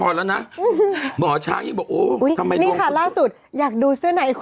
ได้มั้ยรู้สึก